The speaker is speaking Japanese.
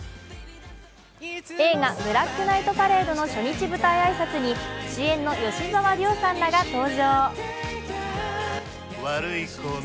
映画「ブラックナイトパレード」の初日舞台挨拶に主演の吉沢亮さんらが登場。